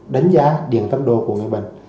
đánh giá điện tâm đồ của người bệnh